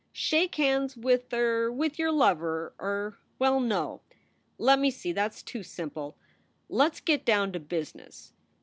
Shake hands with er with your lover er Well no. Let me see. That s too simple. Let s get down to business.